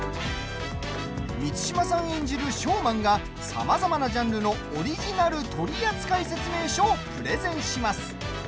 満島さん演じるショーマンがさまざまなジャンルのオリジナル取扱説明書をプレゼンします。